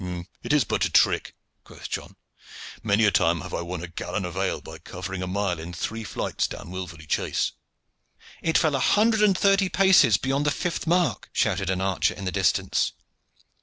"It is but a trick," quoth John. "Many a time have I won a gallon of ale by covering a mile in three flights down Wilverley Chase." "It fell a hundred and thirty paces beyond the fifth mark," shouted an archer in the distance.